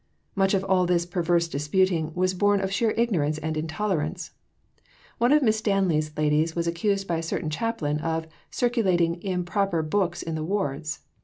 Much of all this perverse disputing was born of sheer ignorance and intolerance. One of Miss Stanley's ladies was accused by a certain chaplain of "circulating improper books in the wards."